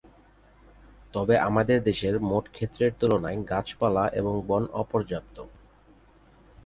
তবে আমাদের দেশের মোট ক্ষেত্রের তুলনায় গাছপালা এবং বন অপর্যাপ্ত।